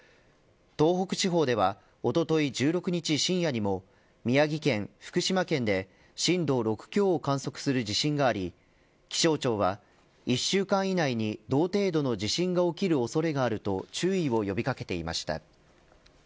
東北地方ではおととい１６日深夜にも宮城県、福島県で震度６強を観測する地震があり気象庁は１週間以内に同程度の地震が起きる恐れがあると注意を呼び掛けていました。